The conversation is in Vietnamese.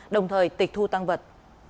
đồng thời tịch thu tăng vật